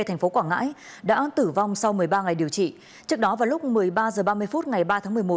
thành phố quảng ngãi đã tử vong sau một mươi ba ngày điều trị trước đó vào lúc một mươi ba h ba mươi phút ngày ba tháng một mươi một